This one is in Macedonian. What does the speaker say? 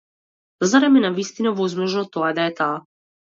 Зарем е навистина возможно тоа да е таа?